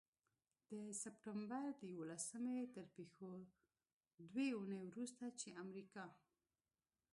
د سپټمبر د یوولسمې تر پيښو دوې اونۍ وروسته، چې امریکا